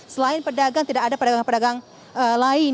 selain pedagang tidak ada pedagang pedagang lain